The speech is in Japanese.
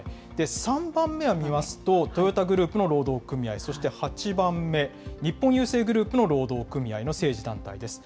３番目を見ますと、トヨタグループの労働組合、そして８番目、日本郵政グループの労働組合の政治団体です。